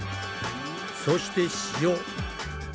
そして塩。